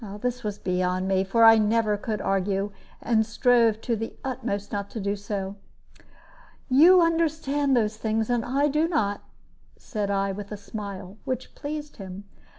This was beyond me; for I never could argue, and strove to the utmost not to do so. "You understand those things, and I do not," said I, with a smile, which pleased him.